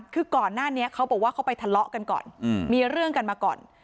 คือก่อนหน้านี้เขาบอกว่าเขาไปทะเลาะกันก่อนมีเรื่องกันมาก่อน